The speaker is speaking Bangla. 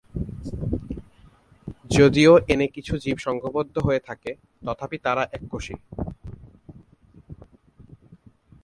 যদিও এনে কিছু জীব সংঘবদ্ধ হয়ে থাকে, তথাপি তারা এককোষী।